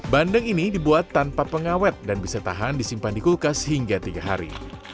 bandeng ini dibuat tanpa pengawet dan bisa tahan disimpan di kulkas hingga tiga hari